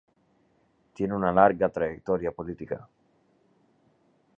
Tiene una larga trayectoria política.